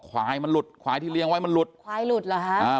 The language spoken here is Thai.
ควายมันหลุดควายที่เลี้ยงไว้มันหลุดควายหลุดเหรอฮะอ่า